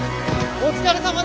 お疲れさまです。